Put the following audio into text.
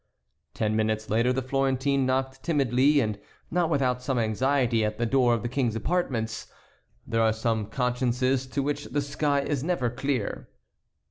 Ten minutes later the Florentine knocked timidly and not without some anxiety at the door of the King's apartments. There are some consciences to which the sky is never clear.